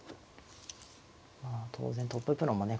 まあ当然トッププロもね